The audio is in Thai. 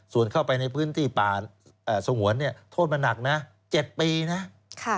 ส่วนเข้าไปในพื้นที่ป่าสงวนเนี่ยโทษมาหนักนะ๗ปีนะ